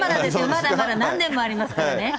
まだまだ、何年もありますからね。